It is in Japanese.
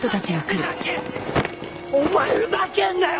お前ふざけんなよ！